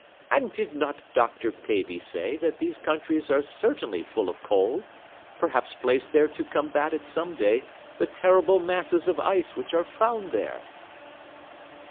And did not Dr. Pavy say that these countries are certainly full of coal, perhaps placed there to combat at some day the terrible masses of ice which are found there?"